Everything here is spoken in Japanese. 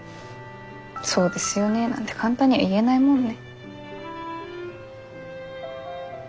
そうですよねなんて簡単には言えないもんね。